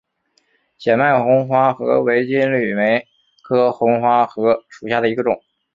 显脉红花荷为金缕梅科红花荷属下的一个种。